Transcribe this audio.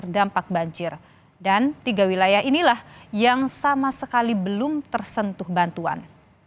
dan tiga wilayah inilah yang sama sekali belum tersentuh bantuan